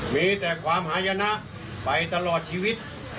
มีแต่ความหายนะไปตลอดชีวิต